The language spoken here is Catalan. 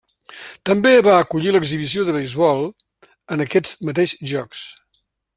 També va acollir l'exhibició de beisbol en aquests mateixos jocs.